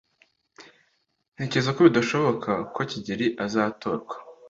ntekereza ko bidashoboka ko kigeri azatorwa